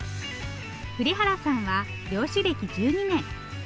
栗原さんは漁師歴１２年。